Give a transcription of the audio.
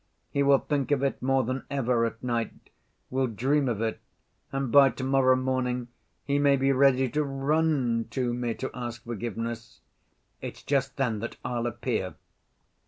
He will think of it more than ever at night, will dream of it, and by to‐morrow morning he may be ready to run to me to ask forgiveness. It's just then that I'll appear.